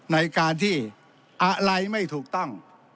ในการที่อะไรไม่ถูกต้อง